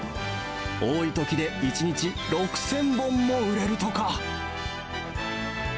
多いときで１日６０００本も売れるとか。